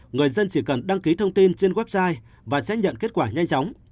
người dân chỉ cần đăng ký thông tin trên website và sẽ nhận kết quả nhanh chóng